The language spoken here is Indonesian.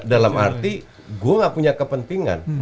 dalam arti gue gak punya kepentingan